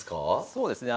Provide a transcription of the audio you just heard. そうですね